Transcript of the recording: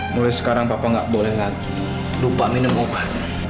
mulai sekarang papa gak boleh lagi lupa minum obat